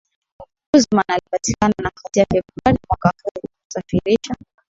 Guzman alipatikana na hatia Februari mwaka huu kwa kusafirisha